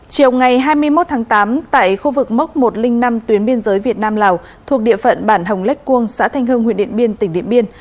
chiều ngày hai mươi một tháng tám tại khu vực mốc một trăm linh năm tuyến biên giới việt nam lào thuộc địa phận bản hồng lách quông xã thanh hưng huyện điện biên tỉnh điện biên